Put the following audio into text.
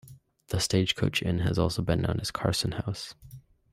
The Stagecoach Inn has also been known as Carson House.